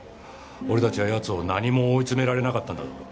俺たちは奴を何も追い詰められなかったんだぞ。